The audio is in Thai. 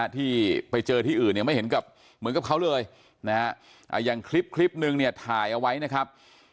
ที่ไปเจอที่อื่นยังไม่เห็นเหมือนกับเขาเลยยังคลิปนึงถ่ายเอาไว้นะครับ